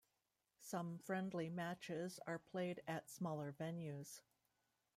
Some friendly matches are played at smaller venues.